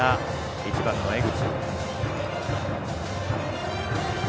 １番の江口。